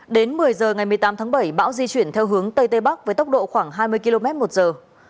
đến một mươi giờ ngày một mươi tám tháng bảy bão di chuyển theo hướng tây tây bắc với tốc độ khoảng hai mươi km một giờ